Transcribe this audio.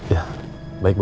ya baik bu